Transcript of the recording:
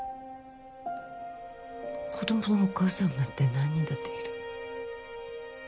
子供のお母さんなんて何人だっている